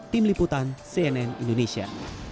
tim liputan cnn indonesia